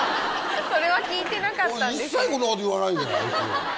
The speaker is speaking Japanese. それは聞いてなかったんですね。